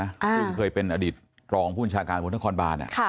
คือเคยเป็นอดีตรองภูมิชาการบนธครบาลอะ